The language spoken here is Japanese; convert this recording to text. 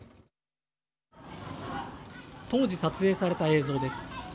当時撮影された映像です。